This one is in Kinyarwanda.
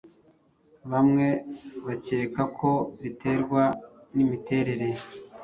bamwe bakeka ko biterwa n’imiterere